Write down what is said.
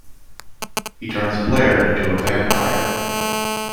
He turns Blair into a vampire.